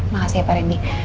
makasih ya pak randy